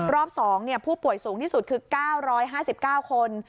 รอบ๒ผู้ป่วยสูงที่สุดคือ๙๕๙คน